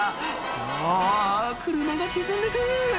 「あぁ車が沈んでく」